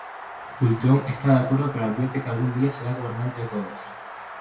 Ultron está de acuerdo, pero advierte que algún día será gobernante de todos.